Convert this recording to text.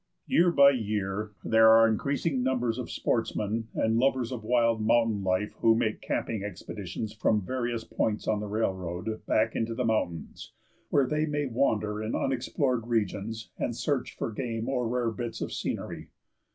Year by year there are increasing numbers of sportsmen and lovers of wild mountain life who make camping expeditions from various points on the railroad, back into the mountains, where they may wander in unexplored regions, and search for game or rare bits of scenery.